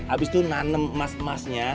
abis itu nanem emas emasnya